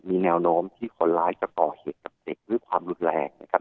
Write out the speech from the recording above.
มีแนวโน้มที่คนร้ายจะก่อเหตุกับเด็กด้วยความรุนแรงนะครับ